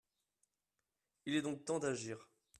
Il est donc temps d’agir